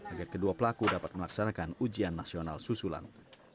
agar kedua pelaku dapat melaksanakan ujian nasional susulan